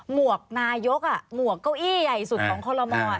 หวกนายกหมวกเก้าอี้ใหญ่สุดของคอลโลมอร์